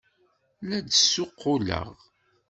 La d-ssuquleɣ.